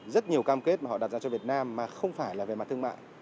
rất nhiều cam kết mà họ đặt ra cho việt nam mà không phải là về mặt thương mại